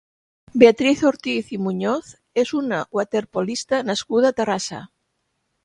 Beatriz Ortiz i Muñoz és una waterpolista nascuda a Terrassa.